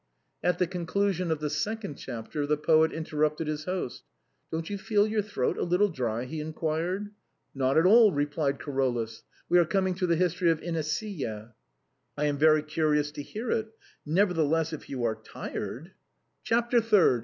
At the conclusion of the second chapter, the poet inter rupted his host: " Don't you feel your throat a little dry ?" he inquired. " Not at all/' replied Carolus ;" we are coming to the history of Inesilla." " I am very curious to hear it ; nevertheless, if you are tired—" " Chapter third